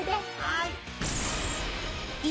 はい。